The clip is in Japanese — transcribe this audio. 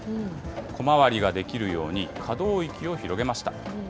小回りができるように、可動域を広げました。